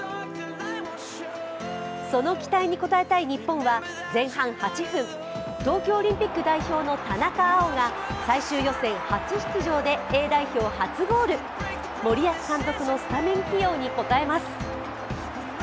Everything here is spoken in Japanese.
その期待に応えたい日本は前半８分、東京オリンピック代表の田中碧が最終予選初出場でＡ代表初ゴール、森保監督のスタメン起用に応えます。